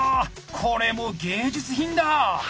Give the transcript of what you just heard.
これもう芸術品だ！